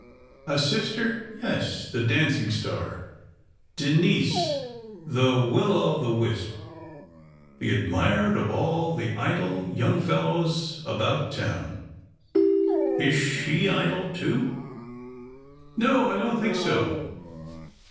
" A sister, yes — the dancing star — Denise the will o' the wisp — the admired of all the idle young fellows about town." " Is she idle, too?" " No — I don't think so.